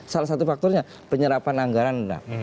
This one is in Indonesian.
salah satu faktornya penyerapan anggaran